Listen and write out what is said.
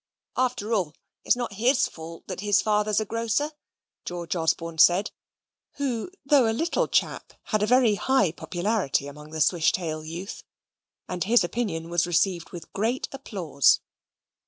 "After all, it's not his fault that his father's a grocer," George Osborne said, who, though a little chap, had a very high popularity among the Swishtail youth; and his opinion was received with great applause.